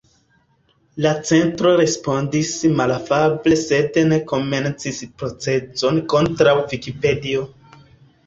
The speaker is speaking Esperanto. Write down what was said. La centro respondis malafable sed ne komencis proceson kontraŭ Vikipedio